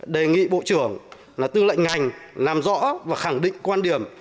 đề nghị bộ trưởng là tư lệnh ngành làm rõ và khẳng định quan điểm